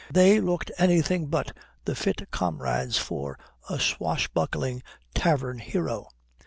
They looked anything but the fit comrades for a swashbuckling tavern hero.